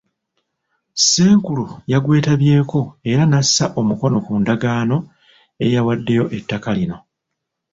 Ssenkulu yagwetabyeko era n'assa omukono ku ndagaano eyawaddeyo ettaka lino.